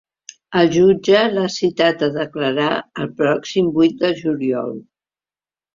El jutge l’ha citat a declarar el pròxim vuit de juliol.